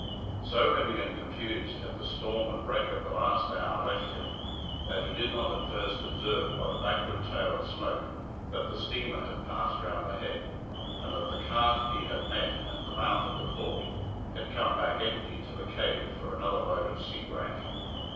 So heavy and confused had the storm and wreck of the last hour left him, that he did not at first observe by the backward tail of smoke that the steamer had passed round the Head, and that the cart he had met at the mouth of the port had come back empty to the cave for another load of sea wrack.